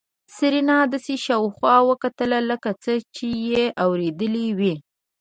سېرېنا داسې شاوخوا وکتل لکه څه چې يې اورېدلي وي.